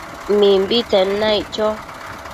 Mimbitsen naic cho